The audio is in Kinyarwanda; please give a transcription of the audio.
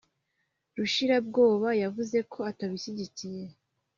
Rushirabwoba yavuze ko atabishyigikiye